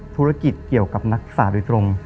ธุรกิจเกี่ยวกับนักศึกษาโดยตรง